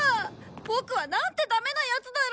ボクはなんてダメなヤツだろう。